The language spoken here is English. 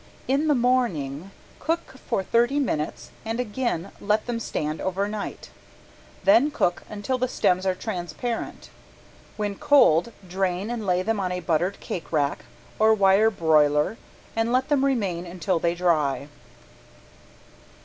In the morning cook for thirty minutes, and again let them stand over night. Then cook until the stems are transparent. When cold drain and lay them on a buttered cake rack or wire broiler and let them remain until very dry.